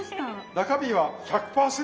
中身は１００％